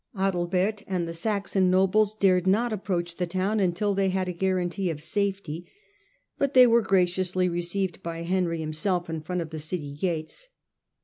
Adalbert and the Saxon nobles dared not approach Diet oi the town until they had a guarantee of safety ; 11?" °'*^' but they were graciously received by Henry himself in front of the city gates.